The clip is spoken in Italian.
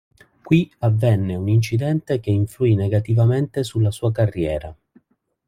Qui avvenne un incidente che influì negativamente sulla sua carriera.